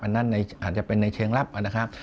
นั่นอาจจะเป็นในเชิงลับนะครับ